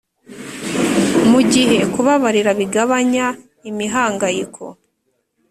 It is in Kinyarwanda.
mu gihe kubabarira bigabanya imihangayiko